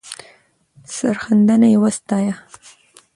سرښندنه یې وستایه.